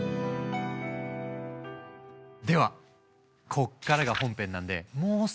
ではこっからが本編なんでもう少しだけ時間下さい。